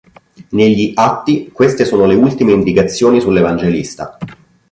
Negli "Atti" queste sono le ultime indicazioni sull'evangelista.